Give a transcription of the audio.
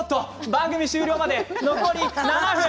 番組終了まで残り７分。